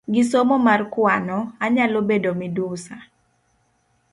Gisomo mar kwano, anyalo bedo midusa